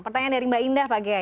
pertanyaan dari mbak indah pak gaya